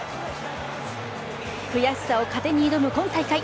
悔しさを糧に挑む今大会。